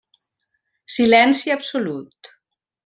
Silenci absolut.